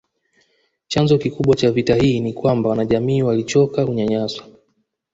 Chanzo kikubwa cha vita hii ni kwamba wanajamii walichoka kunyanyaswa